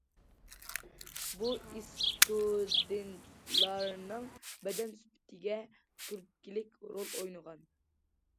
بۇ ئىستۇدېنتلارنىڭ بەدەن سۈپىتىگە تۈرتكىلىك رول ئوينىغان.